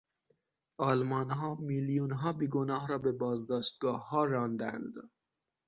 آلمانها میلیونها بیگناه را به بازداشتگاهها راندند.